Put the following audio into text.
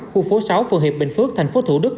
khu phố sáu phường hiệp bình phước thành phố thủ đức